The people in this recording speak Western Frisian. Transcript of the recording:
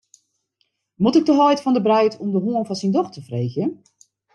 Moat ik de heit fan de breid om de hân fan syn dochter freegje?